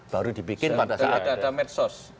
baru dibikin pada saat itu ada medsos